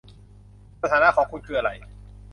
สถานะของคุณคืออะไร